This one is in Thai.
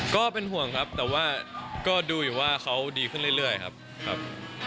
ก็เป็นห่วงครับแต่ว่าก็ดูอยู่ว่าเขาดีขึ้นเรื่อยครับครับ